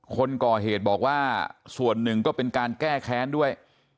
คนก่อเหตุบอกว่าส่วนหนึ่งก็เป็นการแก้แค้นด้วย